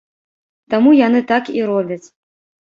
Таму яны так і робяць.